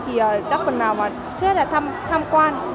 thì đã phần nào mà rất là tham quan